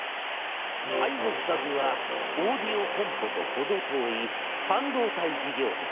配属先はオーディオコンポと程遠い半導体事業部。